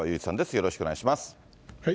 よろしくお願いします。